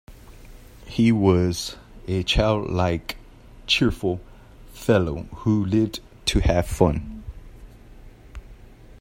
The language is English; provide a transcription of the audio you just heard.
He was a childlike, cheerful fellow who lived to have fun.